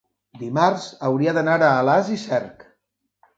dimarts hauria d'anar a Alàs i Cerc.